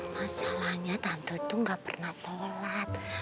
masalahnya tante itu gak pernah sholat